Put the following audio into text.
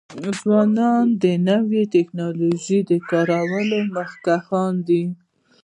ځوانان د نوې ټکنالوژۍ د کارولو مخکښان دي.